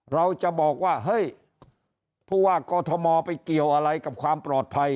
เราจะบอกว่าเฮ้ยผู้ว่ากอทมไปเกี่ยวอะไรกับความปลอดภัย